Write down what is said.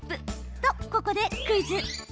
と、ここでクイズ。